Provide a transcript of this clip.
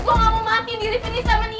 gue gak mau mati di lift ini